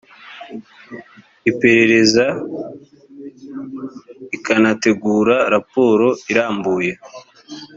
iperereza ikanategura raporo irambuye